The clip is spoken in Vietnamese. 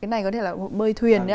đây có thể là mơi thuyền đấy ạ